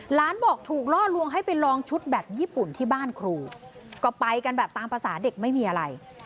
หลานบอกถูกล่อลวงให้ไปลองชุดแบบญี่ปุ่นที่บ้านครูก็ไปกันแบบตามภาษาเด็กไม่มีอะไร